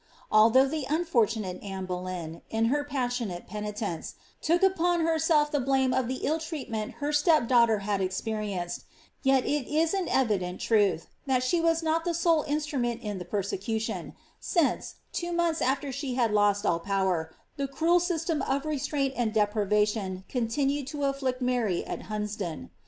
Although the unfortn nate Anne Boleyn, in her passionate penitence, took upon herself the blame of the ill treatment her step daughter had experienced, yet it is an evident truth that she was not the sole instrument in the persecution, since, two months after she had lost all power, the cruel system of le straint and deprivation continued to afHict Mary at Hunsdon.